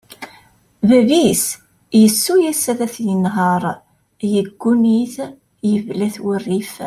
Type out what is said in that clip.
Bab-is yessuyes ad t-yenher, yegguni-t, yebla-t wurrif.